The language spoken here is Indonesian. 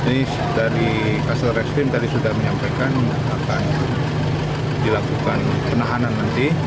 ini dari kasal reskrim tadi sudah menyampaikan akan dilakukan penahanan nanti